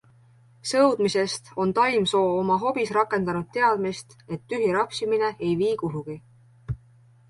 Sõudmisest on Taimsoo oma hobis rakendanud teadmist, et tühi rapsimine ei vii kuhugi.